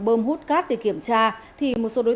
bơm hút cát để kiểm tra thì một số đối